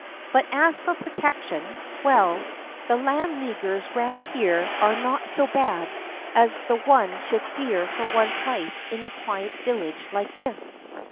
"But as for protection well, the Land Leaguers round here are not so bad as that one should fear for one's life in a quiet village like this."